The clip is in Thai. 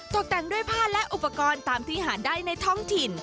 ตกแต่งด้วยผ้าและอุปกรณ์ตามที่หาได้ในท้องถิ่น